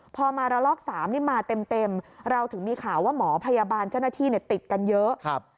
พอมาระลอก๓นี่มาเต็มเราถึงมีข่าวว่าหมอพยาบาลเจ้าหน้าที่ติดกันเยอะ